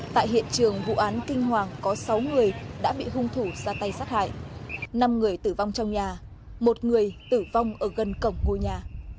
tại hiện trường vụ án kinh hoàng có sáu người đã bị hung thủ ra tay sát hại năm người tử vong trong nhà một người tử vong ở gần cổng ngôi nhà